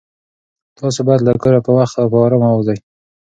تاسو باید له کوره په وخت او په ارامه ووځئ.